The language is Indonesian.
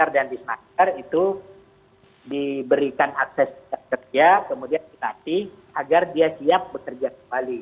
dan disnaker itu diberikan akses kerja kemudian titasi agar dia siap bekerja ke bali